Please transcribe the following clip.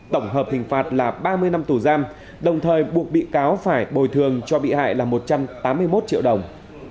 tổng hợp hình phạt là ba mươi năm tù giam đồng thời buộc bị cáo phải bồi thường cho bị hại là một trăm tám mươi một triệu đồng